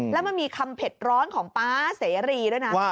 แล้วมันมีคำเผ็ดร้อนของป๊าเสรีด้วยนะ